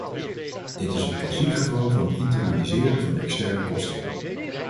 Dit is een klassiek geval van internaliseren van externe kosten.